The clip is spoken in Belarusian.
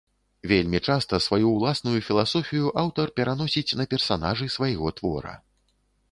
Вельмі часта сваю ўласную філасофію аўтар пераносіць на персанажы свайго твора.